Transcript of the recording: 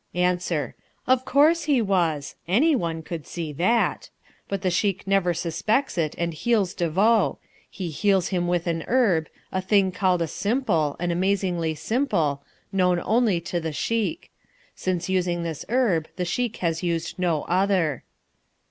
Answer. Of course he was. Anyone could see that, but the Sheik never suspects it, and heals De Vaux. He heals him with an herb, a thing called a simple, an amazingly simple, known only to the Sheik. Since using this herb, the Sheik has used no other.